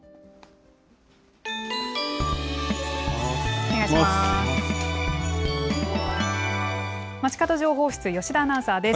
お願いします。